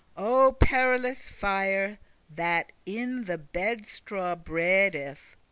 O perilous fire, that in the bedstraw breedeth!